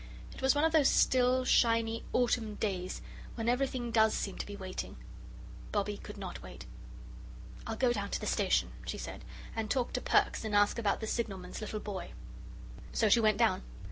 It was one of those still, shiny autumn days, when everything does seem to be waiting. Bobbie could not wait. "I'll go down to the station," she said, "and talk to Perks and ask about the signalman's little boy." So she went down.